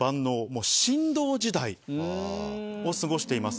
もう神童時代を過ごしています。